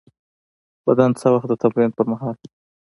بدن څه وخت د تمرین پر مهال